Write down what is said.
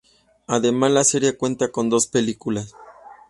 Además, la serie cuenta con dos películas.